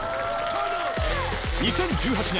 ２０１８年